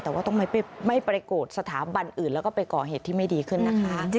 แต่ว่าต้องไม่ไปโกรธสถาบันอื่นแล้วก็ไปก่อเหตุที่ไม่ดีขึ้นนะคะ